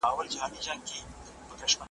که واده سوې لور خپل پلار او مور ته شکايت راوړي.